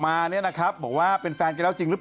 ไม่ใช่ที่เขาบอกจับสังเกตคล้ายภาพต้องกูไปเที่ยวทะเลด้วยกัน